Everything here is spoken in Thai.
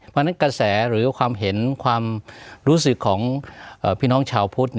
เพราะฉะนั้นกระแสหรือความเห็นความรู้สึกของพี่น้องชาวพุทธ